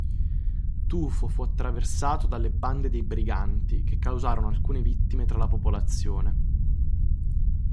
Tufo fu attraversato dalle bande dei briganti che causarono alcune vittime tra la popolazione.